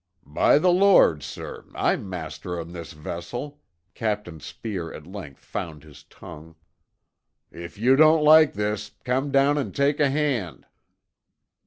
"By the Lord, sir, I'm master on this vessel," Captain Speer at length found his tongue. "If you don't like this, come down and take a hand."